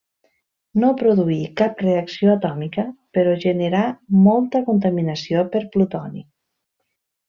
No produí cap reacció atòmica, però generà molta contaminació per plutoni.